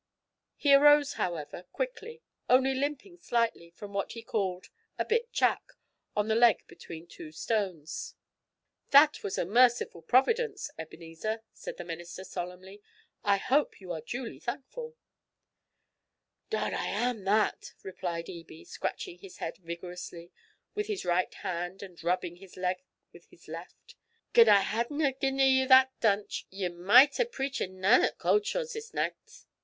He arose, however, quickly only limping slightly from what he called a 'bit chack' on the leg between two stones. 'That was a merciful providence, Ebenezer,' said the minister, solemnly; 'I hope you are duly thankful!' 'Dod, I am that!' replied Ebie, scratching his head vigorously with his right hand and rubbing his leg with his left. 'Gin I hadna gi'en ye that dunch, ye micht hae preachen nane at Cauldshaws this nicht.'